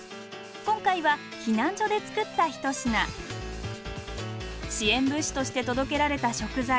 今回は避難所で作った一品。支援物資として届けられた食材。